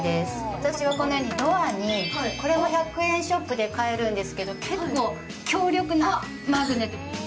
私はこのように、ドアに、これも１００円ショップで買えるんですけど、結構強力なマグネット。